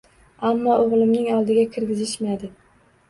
Ammo o`g`limni oldiga kirgizishmadi